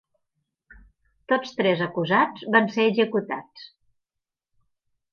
Tots tres acusats van ser executats.